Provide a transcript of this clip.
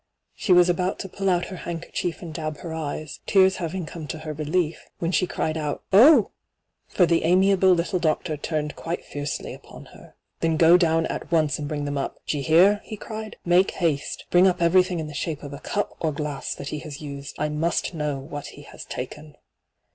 She was aboat to pull out her handkerchief and dab her eyes, tears having come to her relief, when she cried out * Oh I' for the amiable little doctor turned quite fiercely upon her. ' Then go down at once and bring t^em up ^ d'ye hear V he cried. ' Make haate ! Bring up everything in the shape of a cup or glass that he has used. I must know what he has taken.'